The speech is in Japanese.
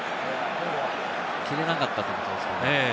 蹴れなかったということですね。